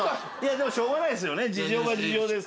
でもしょうがないですよね。